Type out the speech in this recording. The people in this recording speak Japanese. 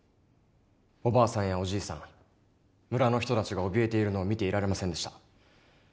おばあさんやおじいさん村の人たちがおびえているのを見ていられませんでした。